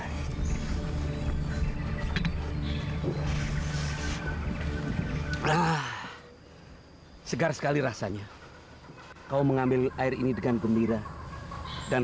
hai berangus segar sekali rasanya kau mengambil air ini dengan gembira dan